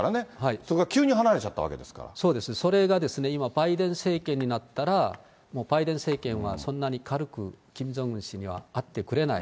それが急に離れちゃったわけですそうです、それが今、バイデン政権になったら、もうバイデン政権は、そんなに軽くキム・ジョンウン氏には会ってくれない。